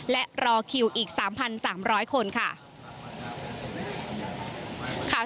และรอคิวอีก๓๓๐๐คนค่ะ